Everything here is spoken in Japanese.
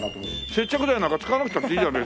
接着剤なんか使わなくたっていいじゃん